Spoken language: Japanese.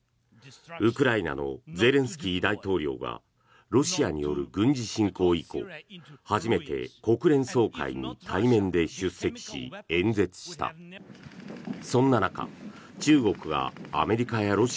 ウクライナのゼレンスキー大統領がロシアによる軍事侵攻以降初めて国連総会に対面で出席しピックアップ